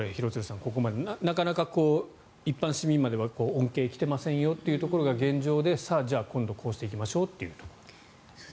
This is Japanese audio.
ここまでなかなか一般市民までは恩恵が来てませんよというのが現状で、じゃあ今度こうしていきましょうというところ。